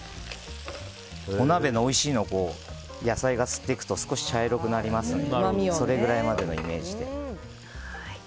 お鍋のおいしいのを野菜が吸っていくと少し茶色くなりますのでそれぐらいまでのイメージで。